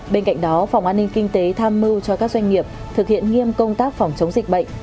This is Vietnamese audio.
bên cạnh đó phòng an ninh kinh tế tham mưu cho các doanh nghiệp thực hiện nghiêm công tác phòng chống dịch bệnh